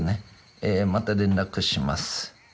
えまた連絡します。